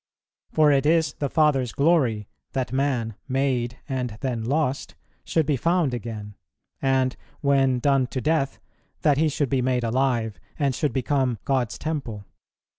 ... For it is the Father's glory, that man, made and then lost, should be found again; and, when done to death, that he should be made alive, and should become God's temple.